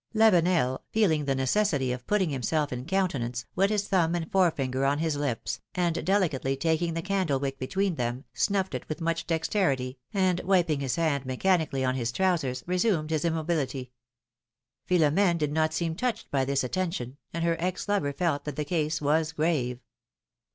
Lavenel, feeling the necessity of putting himself in countenance, wet his thumb and forefinger on his lips, and delicately taking the candle wick between them, snufled it with much dexterity, and wiping his hand mechanically on his trowsers, reassumed his immobility. Philomdne did not seem touched by this attention, and her ex lover felt that the case was grave.